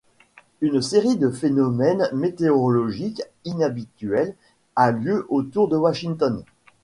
Une série de phénomènes météorologiques inhabituels a lieu autour de Washington.